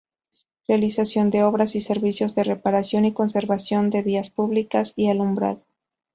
Realización de obras y servicios de reparación y conservación de vías públicas y alumbrado.